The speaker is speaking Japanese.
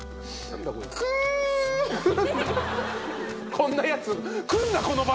こんなやつ。